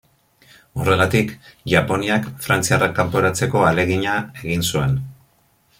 Horregatik, Japoniak frantziarrak kanporatzeko ahalegina egin zuen.